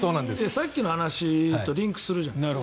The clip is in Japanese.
さっきの話とリンクするじゃないですか。